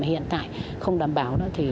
hiện tại không đảm bảo